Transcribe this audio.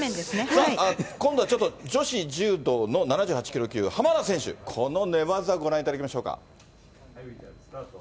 今度はちょっと、女子柔道の７８キロ級、浜田選手、この寝技、ご覧いただきましょうか。